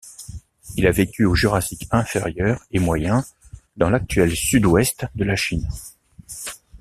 Il a vécu au Jurassique inférieur et moyen, dans l'actuel sud-ouest de la Chine.